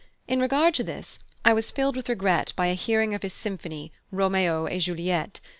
In regard to this, I was filled with regret by a hearing of his symphony, Roméo et Juliette.